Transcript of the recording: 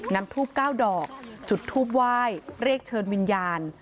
นำทูบ๙ดอกจุดทูบไหว้เรียกเชิญวิญญาณ